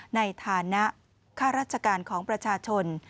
ในฐานะค่าราชการของประชาชน